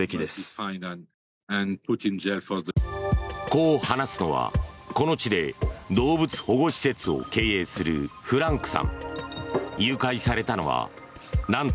こう話すのはこの地で動物保護施設を経営するフランクさん。